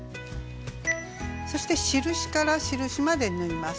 そして印から印まで縫います。